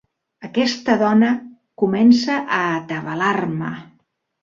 Aquesta dona comença a atabalar-me.